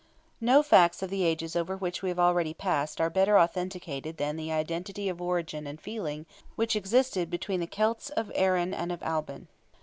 No facts of the ages over which we have already passed are better authenticated than the identity of origin and feeling which existed between the Celts of Erin and of Albyn.